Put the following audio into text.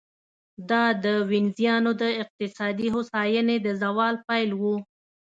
دا د وینزیانو د اقتصادي هوساینې د زوال پیل و